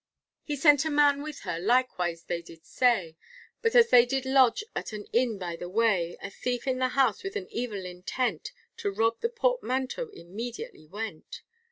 He sent a man with her, likewise they did say, But as they did lodge at an inn by the way, A thief in the house with an evil intent, To rob the portmanteau immediately went.